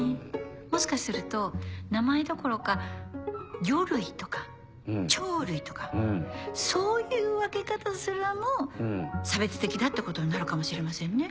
もしかすると名前どころか魚類とか鳥類とかそういう分け方すらも差別的だってことになるかもしれませんね。